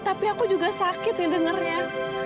tapi aku juga sakit yang dengarnya